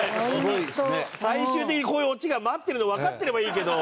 最終的にこういうオチが待ってるのわかってればいいけど。